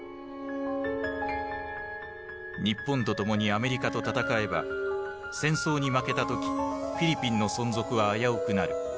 日本と共にアメリカと戦えば戦争に負けた時フィリピンの存続は危うくなる。